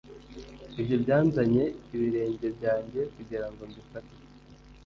Ibyo byanzanye ibirenge byanjye kugirango mbifate